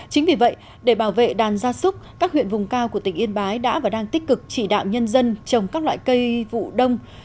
chính vì vậy để bảo vệ đàn gia súc các huyện vùng cao của tỉnh yên bái đã và đang tích cực chỉ đạo nhân dân trồng các loại cây vụ đông